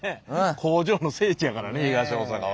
工場の聖地やからね東大阪は。